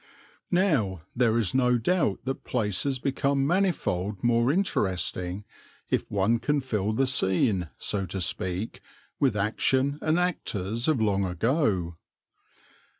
Now there is no doubt that places become manifold more interesting if one can fill the scene, so to speak, with action and actors of long ago.